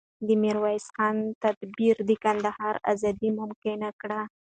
د میرویس خان تدبیر د کندهار ازادي ممکنه کړه.